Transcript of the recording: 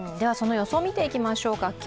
その予想を見ていきましょうか。